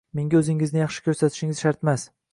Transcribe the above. Menga o`zingizni yaxshi ko`rsatishingiz shartmas